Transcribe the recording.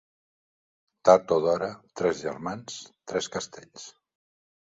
Tard o d'hora, tres germans, tres castells.